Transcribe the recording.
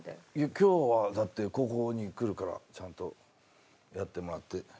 今日はだってここに来るからちゃんとやってもらって。